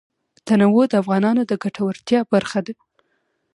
تنوع د افغانانو د ګټورتیا برخه ده.